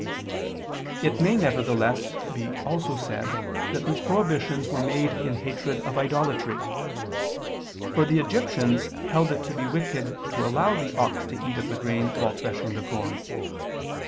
It may, nevertheless, be also said that these prohibitions were made in hatred of idolatry. For the Egyptians held it to be wicked to allow the ox to eat of the grain while threshing the corn.